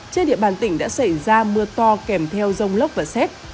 trên địa bàn tỉnh đã xảy ra mưa to kèm theo rông lốc và xét